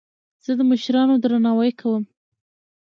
زه د مشرانو درناوی کوم.